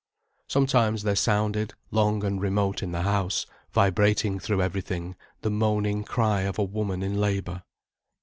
Sometimes there sounded, long and remote in the house, vibrating through everything, the moaning cry of a woman in labour.